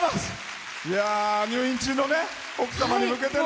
入院中の奥様に向けての。